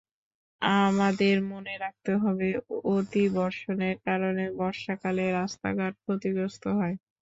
আমাদের মনে রাখতে হবে অতি বর্ষণের কারণে বর্ষাকালে রাস্তাঘাট ক্ষতিগ্রস্ত হয়।